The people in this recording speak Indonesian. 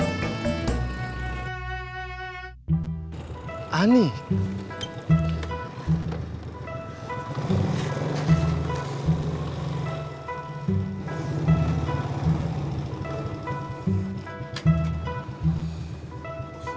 juga belanya saya